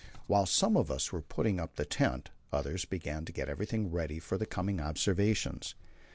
While some of us were putting up the tent, others began to get everything ready for the coming observations.